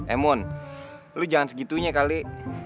eh mum lo jangan segitunya kali